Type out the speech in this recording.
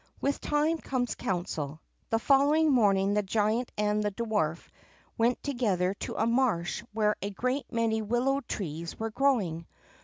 With time comes counsel. The following morning the giant and the dwarf went together to a marsh where a great many willow trees were growing.